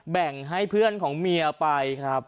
แบ่งให้เพื่อนของเมียไปครับ